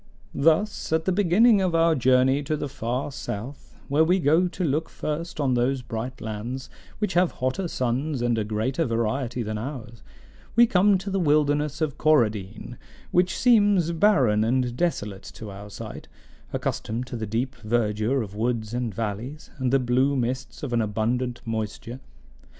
"Thus, at the beginning of our journey to the far south, where we go to look first on those bright lands, which have hotter suns and a greater variety than ours, we come to the wilderness of Coradine, which seems barren and desolate to our sight, accustomed to the deep verdure of woods and valleys, and the blue mists of an abundant moisture.